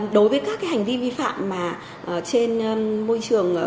đối với các hành vi vi phạm trên môi trường thương mại điện tử